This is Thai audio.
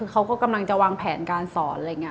เขาก็กำลังจะวางแผนการสอน